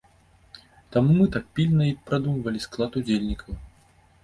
Таму мы так пільна і прадумвалі склад удзельнікаў.